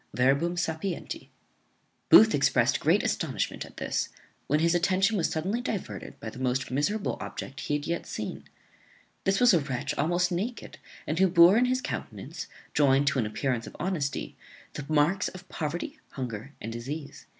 Verbum sapienti.] Booth exprest great astonishment at this, when his attention was suddenly diverted by the most miserable object that he had yet seen. This was a wretch almost naked, and who bore in his countenance, joined to an appearance of honesty, the marks of poverty, hunger, and disease.